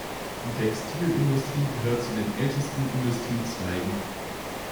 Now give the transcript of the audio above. Die Textilindustrie gehört zu den ältesten Industriezweigen.